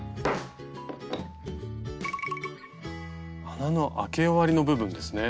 穴のあけ終わりの部分ですね。